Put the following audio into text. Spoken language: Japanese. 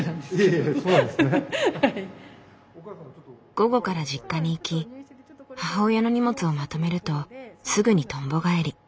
午後から実家に行き母親の荷物をまとめるとすぐにとんぼ返り。